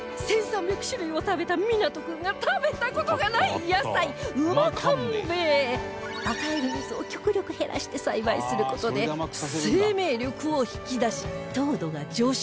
１３００種類も食べた湊君が食べた事がない野菜与える水を極力減らして栽培する事で生命力を引き出し糖度が上昇